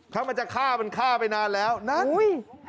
เขามาจะฆ่ามันฆ่าไปนานแล้วนั่น